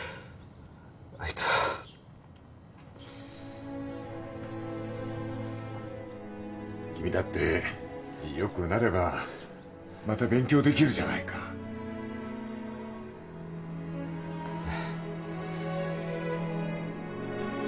あいつは君だってよくなればまた勉強できるじゃないかええ